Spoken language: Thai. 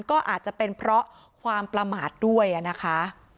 ก็อาจจะเป็นเพราะความประมาทด้วยนะคะ